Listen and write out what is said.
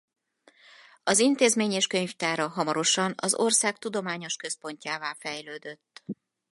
Az intézmény és könyvtára hamarosan az ország tudományos központjává fejlődött.